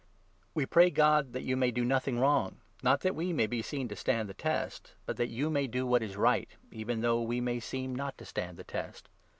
We pray 7 God that you may do nothing wrong, not that we may be seen to stand the test, but that you may do what is right, even though we may seem not to stand the test.